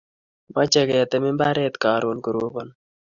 mache ketem imabaret karun korobani